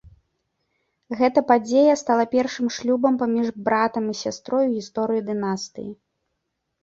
Гэта падзея стала першым шлюбам паміж братам і сястрой у гісторыі дынастыі.